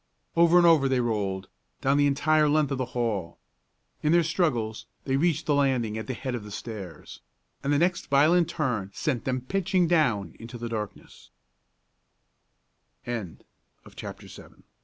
Over and over they rolled, down the entire length of the hall. In their struggles they reached the landing at the head of the stairs, and the next violent turn sent them pitching dow